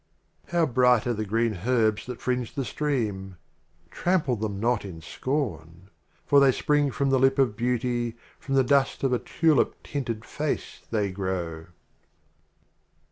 XX. How bright are the Green Herbs that fringe the Stream ! Trample them not in Scorn; For they spring from the Lip of Beauty, From the Dust of a Tulip tinted Face they grow.